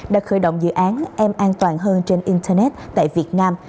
đã khởi động dự án em an toàn hơn trên internet tại việt nam